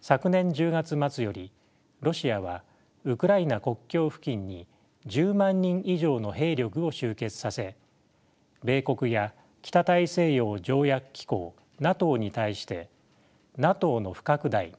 昨年１０月末よりロシアはウクライナ国境付近に１０万人以上の兵力を集結させ米国や北大西洋条約機構ＮＡＴＯに対してＮＡＴＯの不拡大